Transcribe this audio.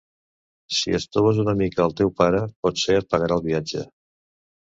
Si estoves una mica el teu pare, potser et pagarà el viatge.